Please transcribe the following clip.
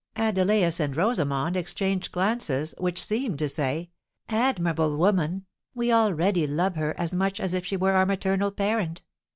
Adelais and Rosamond exchanged glances, which seemed to say, "Admirable woman! we already love her as much as if she were our maternal parent!"